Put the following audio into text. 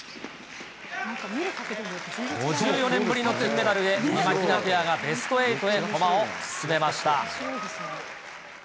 ５４年ぶりの金メダルへ、みまひなペアがベスト８へ駒を進めました。